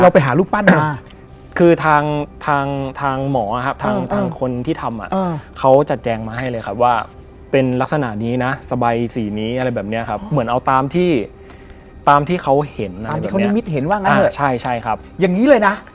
ปรากฏว่าเรตติ้งดี